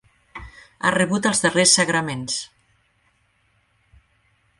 Ha rebut els darrers sagraments.